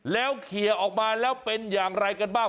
แล้วเคลียร์ออกมาแล้วเป็นอย่างไรกันบ้าง